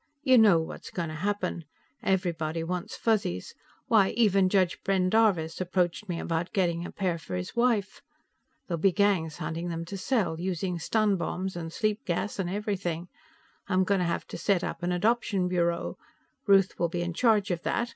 You know what's going to happen. Everybody wants Fuzzies; why, even Judge Pendarvis approached me about getting a pair for his wife. There'll be gangs hunting them to sell, using stun bombs and sleepgas and everything. I'm going to have to set up an adoption bureau; Ruth will be in charge of that.